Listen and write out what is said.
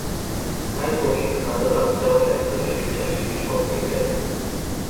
Хайр дурлал минь надад аз жаргал, амьдрах эрч хүч авчирна гэж боддог байсан.